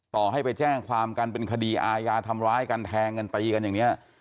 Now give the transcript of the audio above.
ต่อให้ไปแจ้งความกันเป็นคดีอาญาทำร้ายกันแทงกันตีกันอย่างนี้